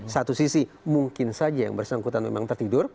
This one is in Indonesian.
satu sisi mungkin saja yang bersangkutan memang tertidur